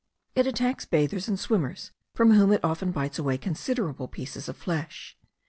It attacks bathers and swimmers, from whom it often bites away considerable pieces of flesh.